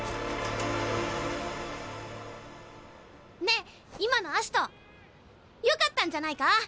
ねえ今のアシトよかったんじゃないか？